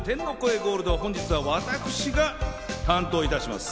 ゴールド、本日は私が担当いたします。